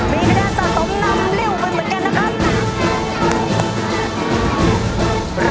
มีคะแนนสะสมนำเร็วไปเหมือนกันนะครับ